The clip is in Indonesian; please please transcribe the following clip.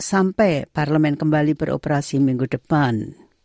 sampai parlemen kembali beroperasi minggu depan